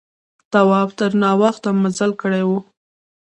تواب تر ناوخته مزل کړی و.